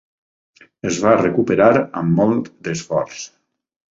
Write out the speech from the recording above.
Es va recuperar amb molt d'esforç.